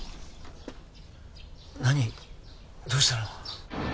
何どうしたの？